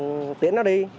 mình tiện nó đi